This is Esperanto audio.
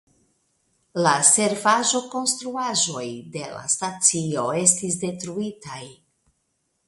La servaĵokonstruaĵoj de la stacio estis detruitaj.